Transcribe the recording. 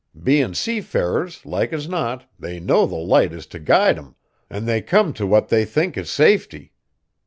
Bein' seafarers, like as not, they know the Light is t' guide 'em, an' they come t' what they think is safety.